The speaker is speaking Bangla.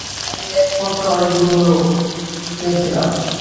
কালীর এক পত্র অনেক দিন হল পেয়েছিলাম।